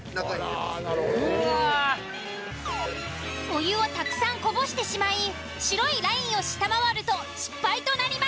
お湯をたくさんこぼしてしまい白いラインを下回ると失敗となります。